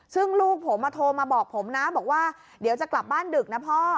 ซึ่งลูกผมโทรมาบอกผมนะบอกว่าเดี๋ยวจะกลับบ้านดึกนะพ่อ